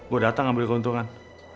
gua datang ambil keuntungan